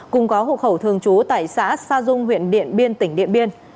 cùng có hộ khẩu thường trú tại xã sa dung huyện điện biên tỉnh điện biên